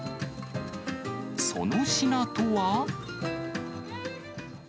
その品とは。